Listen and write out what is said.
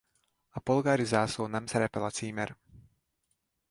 A polgári zászlón nem szerepel a címer.